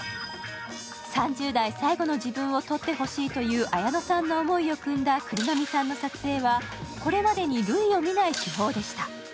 ３０代最後の自分を撮ってほしいという綾野さんの思いをくんだ繰上さんの撮影は、これまでに類を見ない手法でした。